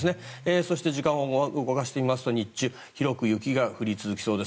そして、時間を動かしてみますと日中広く雪が降り続きそうです。